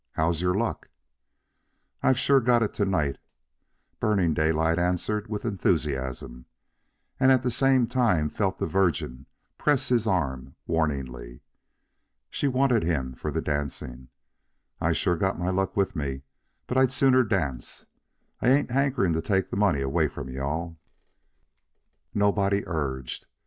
"How's your luck?" "I sure got it to night," Burning Daylight answered with enthusiasm, and at the same time felt the Virgin press his arm warningly. She wanted him for the dancing. "I sure got my luck with me, but I'd sooner dance. I ain't hankerin' to take the money away from you all." Nobody urged.